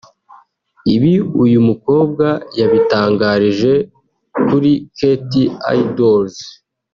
Ibi uyu mukobwa yabitangarije muri Kt Idols